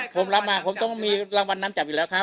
ผมลับมาผมต้องมีรางบรรยามจำคือบริษัทก็ได้